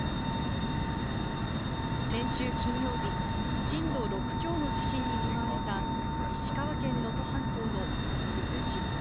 先週金曜日、震度６強の地震に見舞われた石川県能登半島の珠洲市。